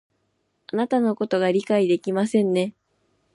あなたのことを理解ができませんね